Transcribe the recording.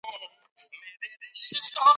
خو موندل یې ممکن دي.